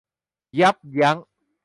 ยับยั้ง